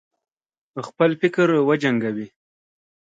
خپل فکر وجنګوي.